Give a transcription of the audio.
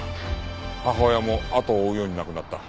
母親もあとを追うように亡くなった。